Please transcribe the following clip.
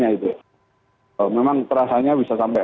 jauh lebih tinggi dibanding angka yang terperangkat di arofah ini